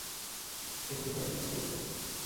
এভাবে কয়েকদিন কেটে গেল।